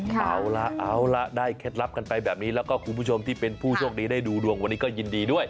เอาล่ะเอาละได้เคล็ดลับกันไปแบบนี้แล้วก็คุณผู้ชมที่เป็นผู้โชคดีได้ดูดวงวันนี้ก็ยินดีด้วย